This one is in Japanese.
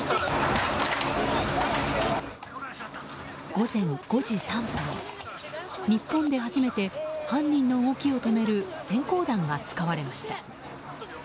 午前５時３分、日本で初めて犯人の動きを止める閃光弾が使われました。